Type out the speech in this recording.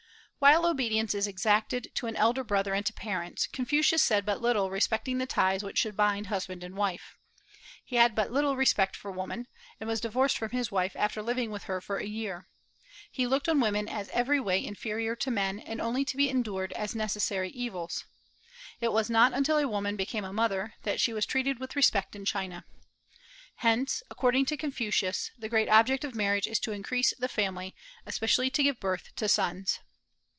While obedience is exacted to an elder brother and to parents, Confucius said but little respecting the ties which should bind husband and wife. He had but little respect for woman, and was divorced from his wife after living with her for a year. He looked on women as every way inferior to men, and only to be endured as necessary evils. It was not until a woman became a mother, that she was treated with respect in China. Hence, according to Confucius, the great object of marriage is to increase the family, especially to give birth to sons.